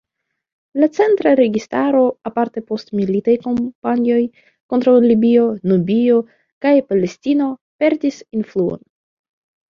La centra registaro aparte post militaj kampanjoj kontraŭ Libio, Nubio kaj Palestino perdis influon.